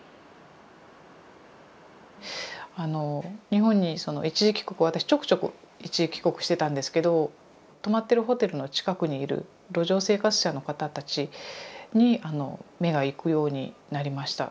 日本にその一時帰国私ちょくちょく一時帰国してたんですけど泊まってるホテルの近くにいる路上生活者の方たちに目が行くようになりました。